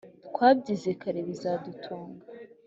twabyize kare bizadutunga! »